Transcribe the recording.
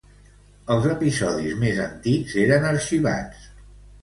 Els episodis més antics eren arxivats.